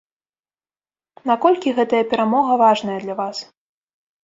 Наколькі гэтая перамога важная для вас?